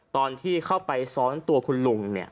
ตอนที่เข้าไปซ้อนตัวคุณลุง